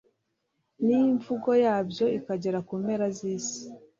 n’imvugo yabyo ikagera ku mpera z’isi